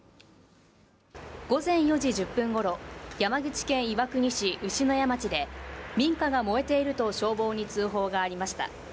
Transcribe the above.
午前４時１０分頃、山口県岩国市牛野谷町で民家が燃えていると消防に通報がありました。